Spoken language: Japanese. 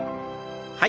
はい。